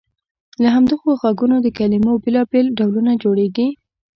له همدغو غږونو د کلمې بېلابېل ډولونه جوړیږي.